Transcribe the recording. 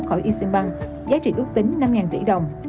khỏi asean bank giá trị ước tính năm tỷ đồng